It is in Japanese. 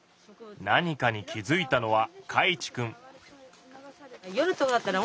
何かに気付いたのはかいちくん。